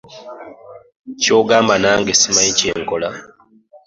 Ky'ogamba nange ssimanyi kye nkola?